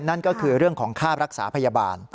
นั่นก็คือเรื่องของค่ารักษาพยาบาล